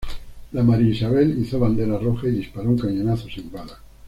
La "María Isabel" izó bandera roja y disparó un cañonazo sin bala.